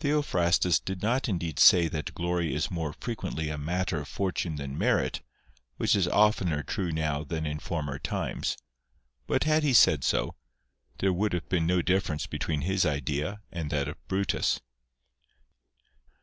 Theophrastus did not indeed say that glory is more frequently a matter of fortune than merit, which is oftener true now than in former times ; but had he said so, there would have been no difference between his idea and that of Brutus.